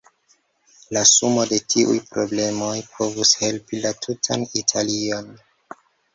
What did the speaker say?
La sumo de tiuj problemoj povus helpi la tutan Italion.